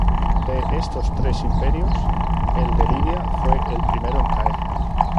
De estos tres imperios, el de Lidia fue el primero en caer.